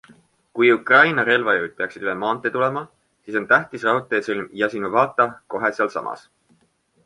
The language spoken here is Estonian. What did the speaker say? Kui Ukraina relvajõud peaksid üle maantee tulema, siis on tähtis raudteesõlm Jasinuvata kohe sealsamas.